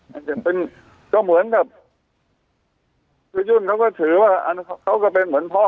มันจะเป็นก็เหมือนกับคือยุ่นเขาก็ถือว่าเขาก็เป็นเหมือนพ่อ